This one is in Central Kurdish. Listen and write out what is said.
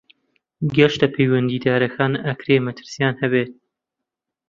گەشتە پەیوەندیدارەکان ئەکرێ مەترسیان هەبێت.